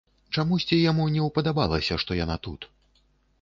Чамусьці яму не ўпадабалася, што яна тут.